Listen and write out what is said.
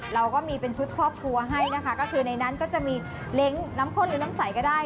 เราก็มีเป็นชุดครอบครัวให้นะคะก็คือในนั้นก็จะมีเล้งน้ำข้นหรือน้ำใสก็ได้